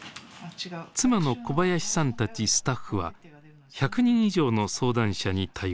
妻の小林さんたちスタッフは１００人以上の相談者に対応しています。